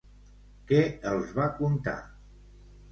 Què els va contar?